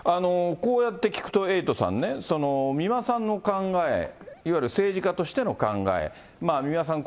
こうやって聞くと、エイトさんね、美馬さんの考え、いわゆる政治家としての考え、美馬さん